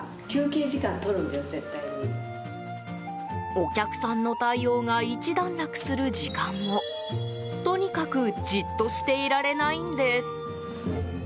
お客さんの対応が一段落する時間もとにかくじっとしていられないんです。